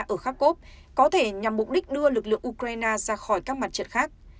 ở kharkov có thể nhằm mục đích đưa lực lượng ukraine ra khỏi các mặt trận khác